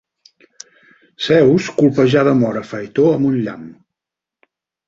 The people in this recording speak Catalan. Zeus colpejà de mort a Faetó amb un llamp.